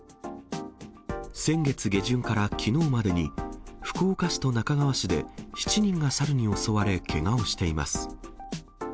先月下旬からきのうまでに、福岡市と那珂川市で７人がサルに襲われ、けがをしています。